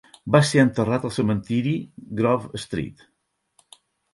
Va ser enterrat al cementiri Grove Street.